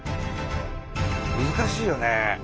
難しいよね。